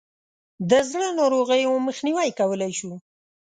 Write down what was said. د زړه ناروغیو مخنیوی کولای شو.